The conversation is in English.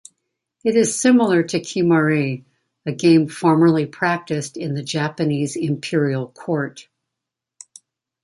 It is similar to Kemari, a game formerly practiced in the Japanese imperial court.